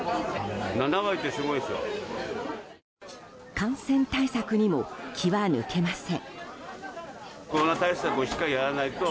感染対策にも気は抜けません。